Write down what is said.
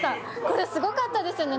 これすごかったですよね